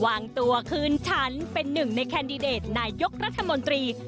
วางตัวคืนฉันเป็นหนึ่งในแคนดิเดตนายกรัฐมนตรี